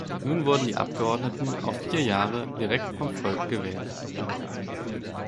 Nun wurden die Abgeordneten auf vier Jahre direkt vom Volk gewählt.